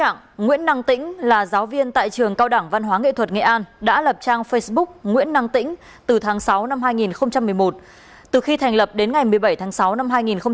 trước đó nguyễn năng tĩnh là giáo viên tại trường cao đẳng văn hóa nghệ thuật nghệ an đã lập trang facebook nguyễn năng tĩnh từ tháng sáu năm hai nghìn một mươi một từ khi thành lập đến ngày một mươi bảy tháng sáu năm hai nghìn một mươi tám